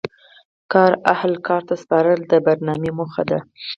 کار اهل کار ته سپارل د برنامې موخه دي.